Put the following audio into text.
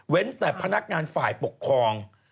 แต่พนักงานฝ่ายปกครอง